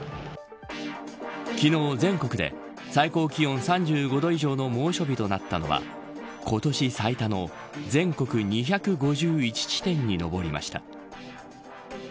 昨日全国で最高気温３５度以上の猛暑日となったのは今年最多の全国２５１地点に上りました。